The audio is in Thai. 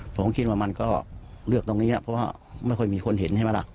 ผมคิดว่ามันก็เลือกตรงนี้เพราะว่าไม่ค่อยมีคนเห็นใช่ไหมล่ะ